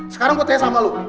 sekarang gue tanya sama lo